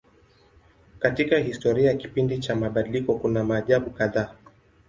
Katika historia ya kipindi cha mabadiliko kuna maajabu kadhaa.